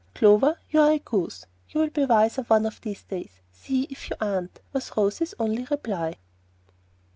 "Clover, you are a goose. You'll be wiser one of these days, see if you aren't," was Rose's only reply.